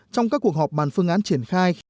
trong các cuộc họp bàn phương án triển khai